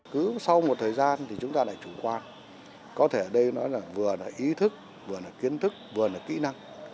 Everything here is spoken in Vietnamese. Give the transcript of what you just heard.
cứ sau một thời gian thì chúng ta lại chủ quan có thể ở đây nói là vừa là ý thức vừa là kiến thức vừa là kỹ năng